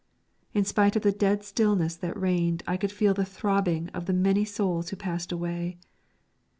In spite of the dead stillness that reigned I could feel the throbbing of the many souls who passed away.